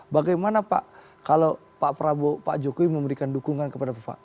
bagaimana pak kalau pak prabowo pak jokowi memberikan dukungan kepada bapak